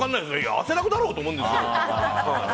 汗だくだろうって思うんですけど。